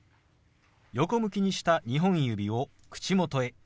横向きにした２本指を口元へ。